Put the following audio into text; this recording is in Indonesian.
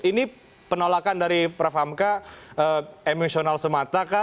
ini penolakan dari prof ham kahak emosional semata kah